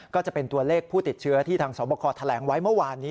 ก็จะเป็นตัวเลขผู้ติดเชื้อที่ทางสอบคอแถลงไว้เมื่อวานนี้